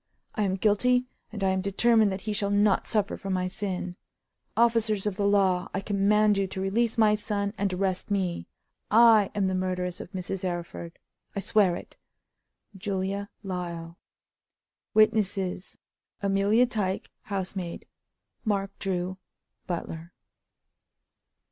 I am guilty, and I am determined that he shall not suffer for my sin. Officers of the law, I command you to release my son and arrest me. I am the murderess of Mrs. Arryford. I swear it." JULIA LYLE. "Witnesses: "Amelia Tyke (housemaid). "Mark Drew (butler)."